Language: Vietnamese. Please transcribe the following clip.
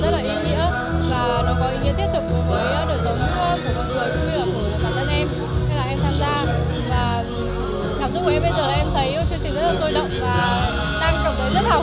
thế là em tham gia và cảm giác của em bây giờ là em thấy chương trình rất là rôi động